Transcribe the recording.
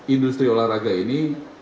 industri olahraga ini